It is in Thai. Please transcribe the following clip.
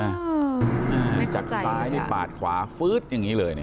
เอ่อไม่เข้าใจเลยค่ะจากซ้ายที่ปาดขวาฟื้ดอย่างงี้เลยเนี้ย